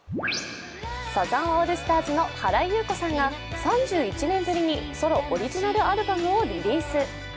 サザンオールスターズの原由子さんが３１年ぶりにソロオリジナルアルバムをリリース。